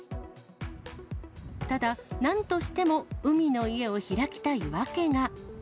ただ、なんとしても海の家を開きたい訳が。